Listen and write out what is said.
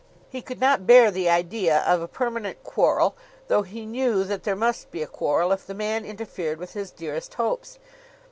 He could not bear the idea of a permanent quarrel, though he knew that there must be a quarrel if the man interfered with his dearest hopes.